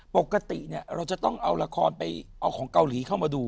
ปกติเราจะต้องเอาละครไปเอาของเกาหลีเข้ามาดู